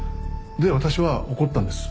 で私は怒ったんです。